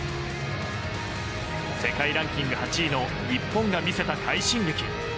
世界ランキング８位の日本が見せた快進撃。